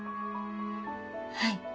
はい。